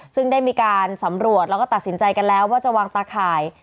ซึ่งได้มีการสำรวจแล้วก็ตัดสินใจกันแล้วว่าจะวางตาข่าย